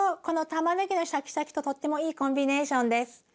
このたまねぎのシャキシャキととってもいいコンビネーションです。